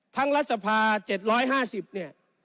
ทั้งรัฐสภาพ๗๕๐เนี่ย